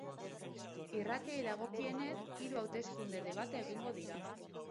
Irratiei dagokienez, hiru hauteskunde-debate egingo dira.